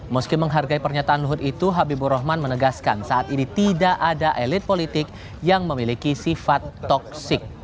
meski menghargai pernyataan luhut itu habibur rahman menegaskan saat ini tidak ada elit politik yang memiliki sifat toksik